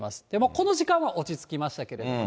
この時間は落ち着きましたけども。